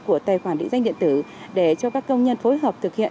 của tài khoản định danh điện tử để cho các công nhân phối hợp thực hiện